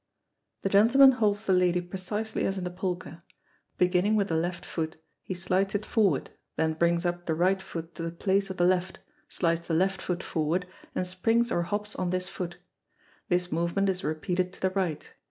The gentleman holds the lady precisely as in the polka. Beginning with the left foot, he slides it forward, then brings up the right foot to the place of the left, slides the left foot forward, and springs or hops on this foot. This movement is repeated to the right.